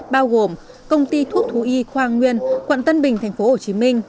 bao gồm công ty thuốc thú y khoa nguyên quận tân bình tp hcm